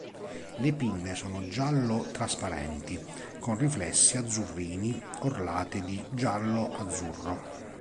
Le pinne sono giallo-trasparenti, con riflessi azzurrini, orlate di giallo-azzurro.